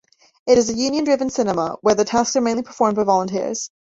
It is a union-driven cinema, where the tasks are mainly performed by volunteers.